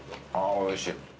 あぁおいしい。